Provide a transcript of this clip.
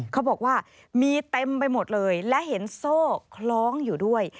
เขาบอกว่ามีเต็มไปหมดเลยและเห็นโซ่คล้องอยู่ด้วย